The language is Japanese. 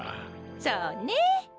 そうね。